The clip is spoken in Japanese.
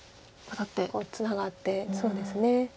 ツナがってそうですね。